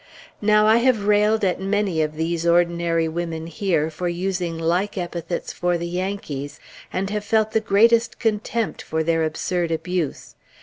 Now I have railed at many of these ordinary women here, for using like epithets for the Yankees, and have felt the greatest contempt for their absurd abuse.